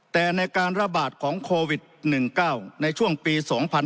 แต่ในการระบาดของโควิด๑๙ในช่วงปี๒๕๕๙